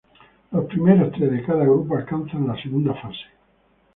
Los primeros tres de cada grupo alcanzan la segunda fase.